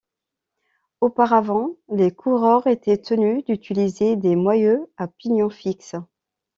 Auparavant, les coureurs étaient tenus d'utiliser des moyeux à pignon fixe.